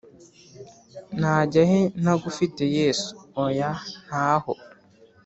Najyahe ntagufite yesu oya ntaho